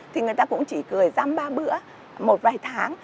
thì người ta cũng chỉ cười răm ba bữa một vài tháng